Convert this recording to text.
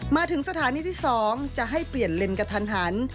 มาถึงสถานีที่๒จะให้เปลี่ยนเลนส์กระทันหัน